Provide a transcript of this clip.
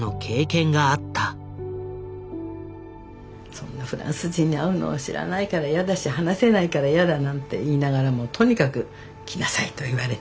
そんなフランス人に会うのは知らないから嫌だし話せないから嫌だなんて言いながらもとにかく来なさいと言われて。